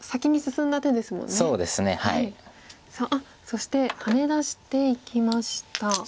そしてハネ出していきました。